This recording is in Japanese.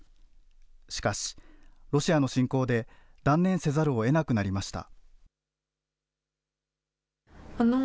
しかし、ロシアの侵攻で断念せざるをえなくなりました。